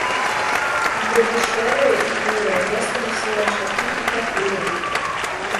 Глебы шэрыя і бурыя, месцамі саланчакі і такыры.